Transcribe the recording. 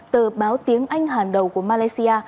tờ báo tiếng anh hàng đầu của malaysia